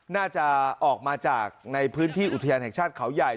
น่าจะออกมาจากในพื้นที่อุทยานแห่งชาติเขาใหญ่